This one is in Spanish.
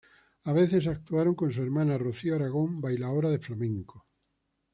A veces actuaron con su hermana Rocío Aragón, bailaora de flamenco.